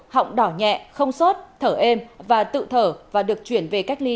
họng đỏ nhẹ không sốt thở êm và tự thở và được chuyển về cách ly